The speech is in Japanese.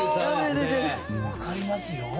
分かりますよ。